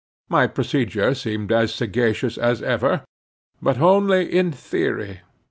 My procedure seemed as sagacious as ever.—but only in theory.